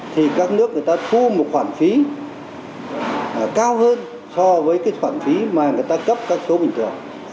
thì các nước người ta thu một khoản phí cao hơn so với cái khoản phí mà người ta cấp các số bình thường